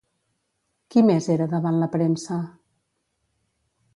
Qui més era davant la premsa?